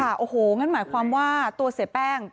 โอ้โหงั้นหมายความว่าตัวเสียแป้ง